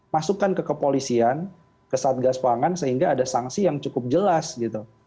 masukkan ke kepolisian ke satgas pangan sehingga ada sanksi yang cukup jelas gitu